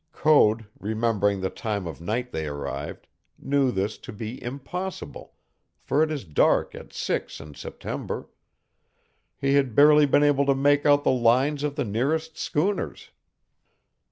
Code, remembering the time of night they arrived, knew this to be impossible, for it is dark at six in September. He had barely been able to make out the lines of the nearest schooners.